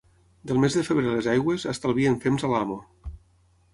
Del mes de febrer les aigües, estalvien fems a l'amo.